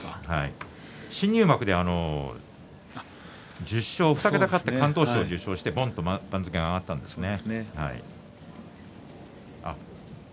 新入幕で１０勝２桁勝って敢闘賞を受賞して番付が上がったんですね。